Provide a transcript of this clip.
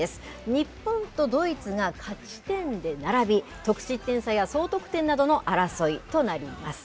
日本とドイツが勝ち点で並び、得失点差や総得点などの争いとなります。